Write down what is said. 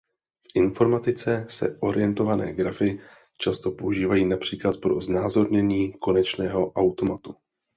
V informatice se orientované grafy často používají například pro znázornění konečného automatu.